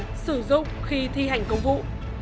và sử dụng khi thi hành công vụ